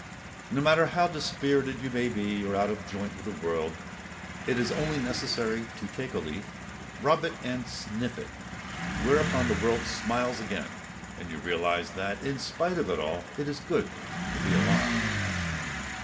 No matter how dispirited you may be or out of joint with the world, it is only necessary to take a leaf, rub it and sniff it, whereupon the world smiles again, and you realise that, in spite of all, it is good to be alive.